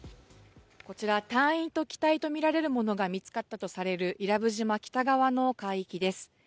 こちら、隊員と機体とみられるものが見つかったとされる伊良部島北側の海域です。